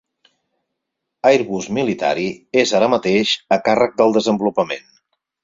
Airbus Military és ara mateix a càrrec del desenvolupament.